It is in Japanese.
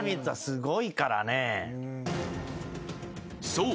［そう。